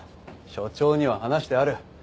署長には話してある。